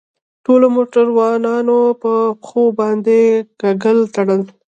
ټولو موټروانانو په پښو باندې ګلګل تړل.